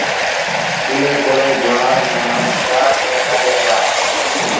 ائيٚݩ پو گُوآر مآݩ گآه باڪڍين دآ۔